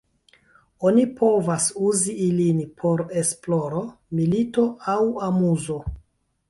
Oni povas uzi ilin por esploro, milito aŭ amuzo.